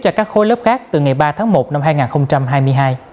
cho các khối lớp khác từ ngày ba tháng một năm hai nghìn hai mươi hai